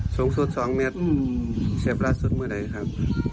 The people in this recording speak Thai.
สูงสุด๒เม็ดเสียบล่าสุดเมื่อไหนครับ